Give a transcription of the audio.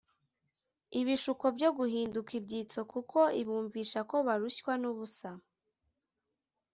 ibishuko byo guhinduka ibyitso kuko ibumvisha ko barushywa n’ubusa